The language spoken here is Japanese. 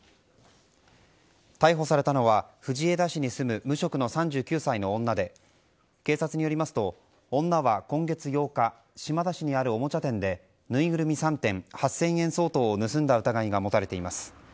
逮捕されたのは藤枝市に住む無職の３９歳の女で警察によりますと、女は今月８日島田市にあるおもちゃ店でぬいぐるみ３点８０００円相当を盗んだ疑いが持たれています。